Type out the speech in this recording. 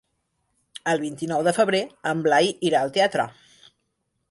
El vint-i-nou de febrer en Blai irà al teatre.